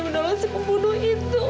mendolong si pembunuh itu